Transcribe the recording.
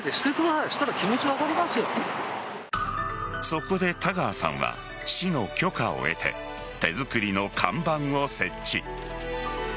そこで田川さんは市の許可を得て手作りの看板を設置。